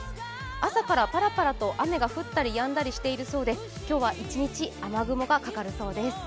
朝からパラパラと雨が降ったりやんだりしているそうで今日は一日、雨雲がかかるそうです